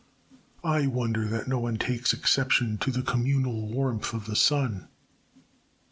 I wonder that no one takes exception to the communal warmth of the sun.